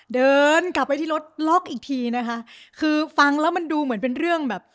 เดินกลับไปที่รถล็อกอีกทีนะคะคือฟังแล้วมันดูเหมือนเป็นเรื่องแบบ